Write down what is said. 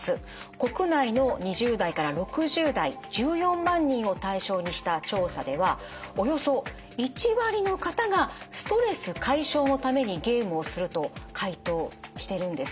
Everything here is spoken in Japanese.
国内の２０代から６０代１４万人を対象にした調査ではおよそ１割の方がストレス解消のためにゲームをすると回答してるんです。